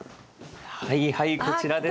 はいはいこちらです。